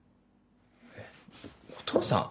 ・えっお父さん⁉